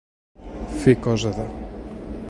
Fer cosa de.